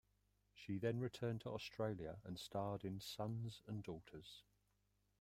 She then returned to Australia and starred in "Sons and Daughters".